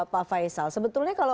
pak faisal sebetulnya kalau